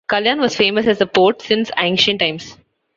Kalyan was famous as a port since ancient times.